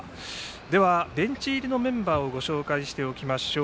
ベンチ入りのメンバーをご紹介しておきましょう。